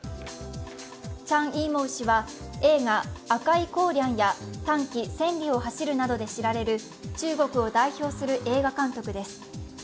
チャン・イーモウ氏は映画「紅いコーリャン」や「単騎、千里を走る」などで知られる中国で知られる映画監督です。